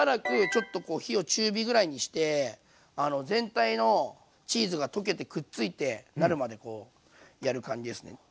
ちょっとこう火を中火ぐらいにして全体のチーズが溶けてくっついてなるまでこうやる感じですね。